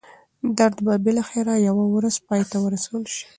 درد به بالاخره یوه ورځ پای ته ورسول شي.